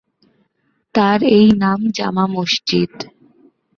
তাই এর নাম জামা মসজিদ।